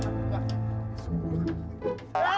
ngapain di sini